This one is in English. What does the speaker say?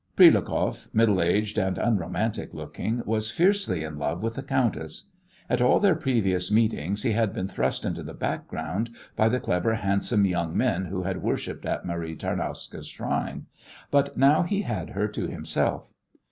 Prilukoff, middle aged and unromantic looking, was fiercely in love with the countess. At all their previous meetings he had been thrust into the background by the clever, handsome young men who had worshipped at Marie Tarnowska's shrine, but now he had her to himself.